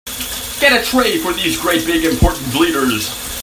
Get a tray for these great big important leaders.